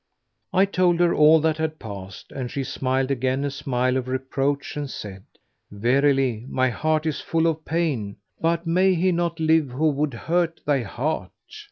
I told her all that had passed, and she smiled again a smile of reproach and said, "Verily, my heart is full of pain; but may he not live who would hurt thy heart!